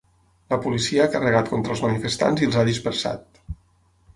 La policia ha carregat contra els manifestants i els ha dispersat.